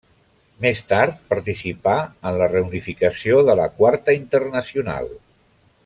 Més tard participà en la reunificació de la Quarta Internacional.